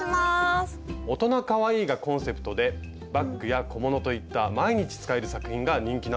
「大人かわいい」がコンセプトでバッグや小物といった毎日使える作品が人気なんです。